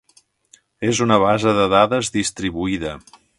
És una base de dades distribuïda.